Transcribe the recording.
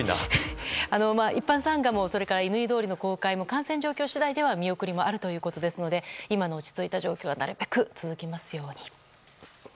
一般参賀も乾通りの公開も感染状況次第では見送りもあるということですので今の落ち着いた状況がなるべく続きますように。